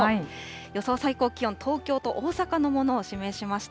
予想最高気温、東京と大阪のものを示しました。